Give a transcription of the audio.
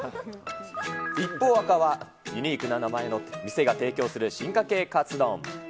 一方、赤はユニークな名前の店が提供する進化系カツ丼。